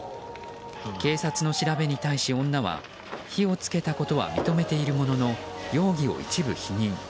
警察の調べに対し女は火を付けたことは認めているものの容疑を一部否認。